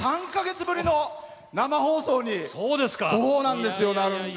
３か月ぶりの生放送になるんです。